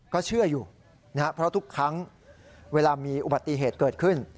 ก็เชื่ออยู่นะครับเพราะทุกครั้งเวลามีอุบัติเหตุเกิดขึ้น